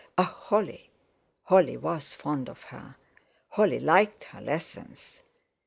Ah! Holly! Holly was fond of her, Holly liked her lessons.